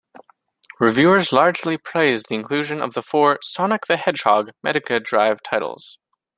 Reviewers largely praised the inclusion of the four "Sonic the Hedgehog" Mega Drive titles.